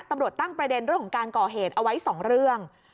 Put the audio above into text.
ตำรวจตั้งประเด็นเรื่องของการก่อเหตุเอาไว้๒เรื่อง